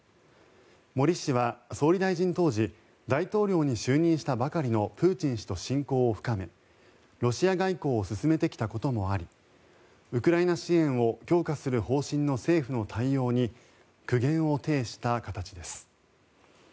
森氏は総理大臣当時大統領に就任したばかりのプーチン氏と親交を深め、ロシア外交を進めてきたこともありウクライナ支援を強化する方針の政府の対応に苦言を呈した形です。